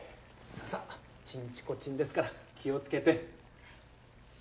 さあさあちんちこちんですから気を付けて。